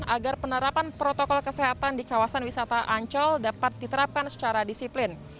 agar penerapan protokol kesehatan di kawasan wisata ancol dapat diterapkan secara disiplin